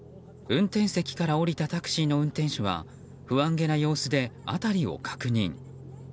運転席から降りたタクシーの運転手は不安げな様子で辺りを確認。